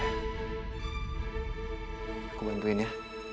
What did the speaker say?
aku bantuin ya